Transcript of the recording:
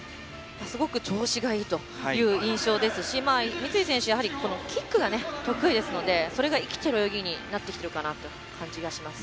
すごく調子がいいという印象ですし三井選手、キックが得意ですのでそれが生きている泳ぎになってきているかなという感じがします。